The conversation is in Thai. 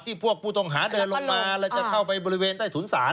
พวกผู้ต้องหาเดินลงมาแล้วจะเข้าไปบริเวณใต้ถุนศาล